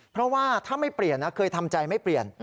เพราะว่าถ้าไม่เปลี่ยนนะเคยทำใจไม่เปลี่ยน